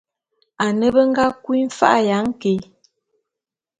Ane be nga kui mfa'a ya nké.